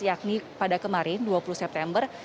yakni pada kemarin dua puluh september